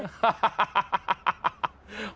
ฮ่า